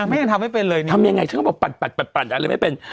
ไม่ได้ทำให้เป็นเลยทำยังไงเธอบอกปั่นปั่นปั่นปั่นอะไรไม่เป็น